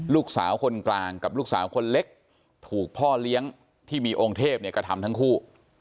ลูกสาวคนกลางกับลูกสาวคนเล็กถูกพ่อเลี้ยงที่มีองค์เทพเนี่ยกระทำทั้งคู่